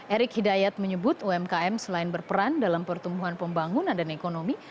erick hidayat menyebut umkm selain berperan dalam pertumbuhan pembangunan dan ekonomi